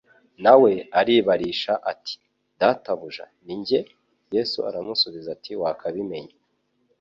nawe aribarisha ati : "Databuja ni njye?" Yesu aramusubiza ati: "Wakabimenye."